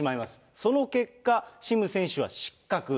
その結果、シム選手は失格。